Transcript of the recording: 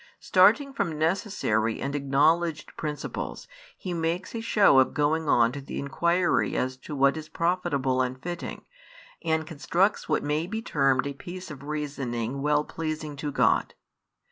Starting from necessary and acknowledged principles, he makes a show of going on to the inquiry as to what is profitable and fitting, and constructs what may be termed a piece of reasoning well pleasing to God.